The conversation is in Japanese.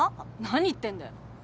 何言ってんだよ。